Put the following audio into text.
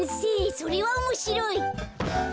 それはおもしろい。